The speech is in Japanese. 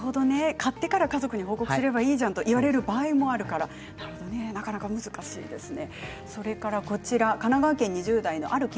買ってから家族に報告すればいいじゃんと言われる場合もあるからなかなか難しいですね。